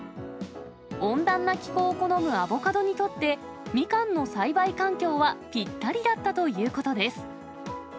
温暖な気候を好むアボカドにとって、ミカンの栽培環境はぴったりだったということです。